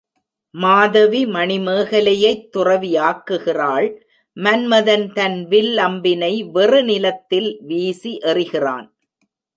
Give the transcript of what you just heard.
மாதவி மணிமேகலையைத் துறவியாக்குகிறாள் மன்மதன் தன் வில் அம்பினை வெறு நிலத்தில் வீசி எறிகிறான்.